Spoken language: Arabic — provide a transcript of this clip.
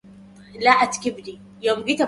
وكانَ يَنتابُكَ مُستَرفِداً